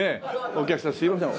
お客さんすいません。